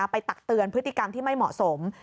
ตักเตือนพฤติกรรมที่ไม่เหมาะสม